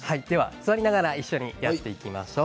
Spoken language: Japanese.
座りながら一緒にやっていきましょう。